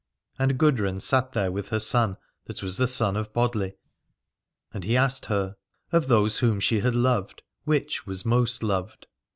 And Gudrun sat there with her son, that was the son of Bodli : and he asked her of those whom she had loved, which was most loved.